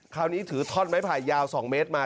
คราวนี้ถือท่อนไม้ผ่ายยาว๒เมตรมา